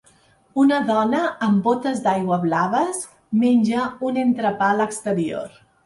Una dona amb botes d'aigua blaves menja un entrepà a l'exterior.